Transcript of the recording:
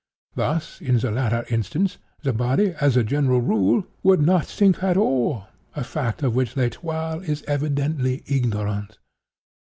Thus, in the latter instance, the body, as a general rule, would not sink at all—a fact of which L'Etoile is evidently ignorant.